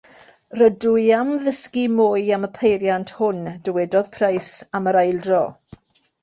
“Rydw i am ddysgu mwy am y peiriant hwn,” dywedodd Price am yr eildro.